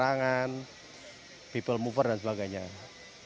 untukue simulasi ini kami harus memberi keboldan pract